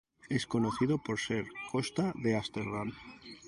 Es conocido por ser costa de Ámsterdam.